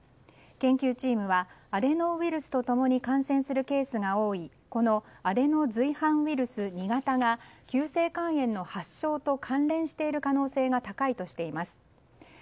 研究チームはアデノウイルスと共に感染するケースが多いこのアデノ随伴ウイルス２型が急性肝炎の発症と関連している可能性が高いとしています。